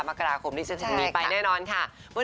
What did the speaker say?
มกราคมที่ฉันจะมีไปแน่นอนค่ะ